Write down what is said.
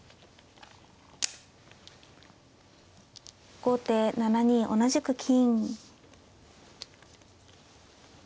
後手７二同じく金。